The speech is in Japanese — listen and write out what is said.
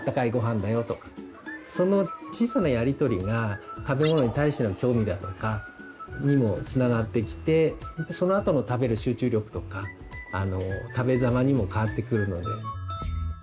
その小さなやり取りが食べ物に対しての興味だとかにもつながってきてそのあとの食べる集中力とかあの食べざまにもかわってくるので。